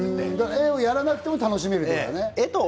絵をやらなくても楽しめるっていうことだね。